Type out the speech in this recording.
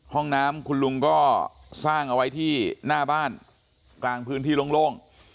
ห้องน้ำคุณลุงก็สร้างเอาไว้ที่หน้าบ้านกลางพื้นที่โล่ง